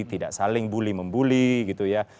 tidak saling bully membuli gitu ya